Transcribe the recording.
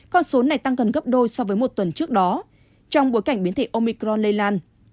con số này tăng gần gấp đôi so với một tuần trước đó trong bối cảnh biến thể omicron lây lan